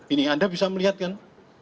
ini anda bisa melihatkan